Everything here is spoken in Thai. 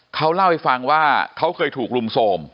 เขาเล่าให้ฟังว่าเขาเคยถูกรุมโทรม